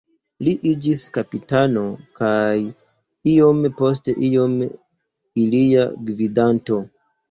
Li iĝis kapitano kaj iom post iom ilia gvidanto.